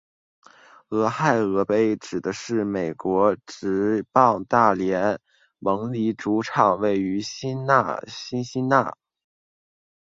俄亥俄杯指的是美国职棒大联盟里主场位于辛辛那提和克里夫兰球队间的对战。